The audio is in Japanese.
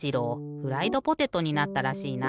フライドポテトになったらしいな。